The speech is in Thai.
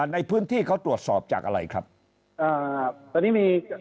ในพื้นที่เขาตรวจสอบจากอะไรครับอ่าตอนนี้มี